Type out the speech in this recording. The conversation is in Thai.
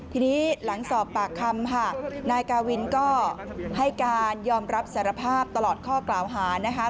ทีนี้หลังสอบปากคำค่ะนายกาวินก็ให้การยอมรับสารภาพตลอดข้อกล่าวหานะคะ